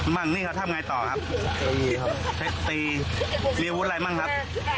มั่งนี่เขาทำไงต่อครับตีมีอาวุธอะไรมั่งครับ